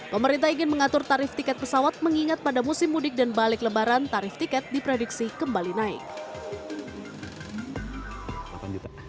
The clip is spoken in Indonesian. pemerintah ingin mengatur tarif tiket pesawat mengingat pada musim mudik dan balik lebaran tarif tiket diprediksi kembali naik